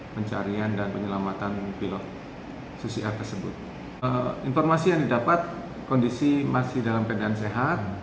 tentunya keselamatan pilot ini adalah